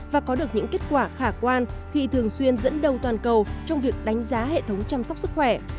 và có được những kết quả khả quan khi thường xuyên dẫn đầu toàn cầu trong việc đánh giá hệ thống chăm sóc sức khỏe